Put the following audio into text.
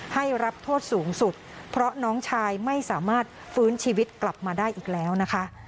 ให้รับโทษสูงสุดเพราะน้องชายไม่สามารถฟื้นชีวิตกลับมาได้อีกแล้วนะคะ